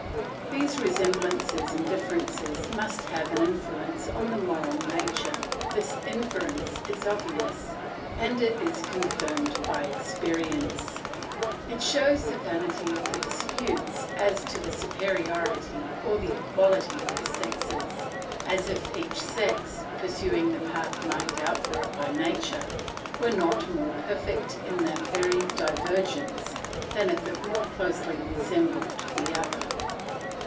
These resemblances and differences must have an influence on the moral nature; this inference is obvious, and it is confirmed by experience; it shows the vanity of the disputes as to the superiority or the equality of the sexes; as if each sex, pursuing the path marked out for it by nature, were not more perfect in that very divergence than if it more closely resembled the other.